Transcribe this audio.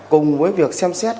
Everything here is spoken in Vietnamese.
cùng với việc xem xét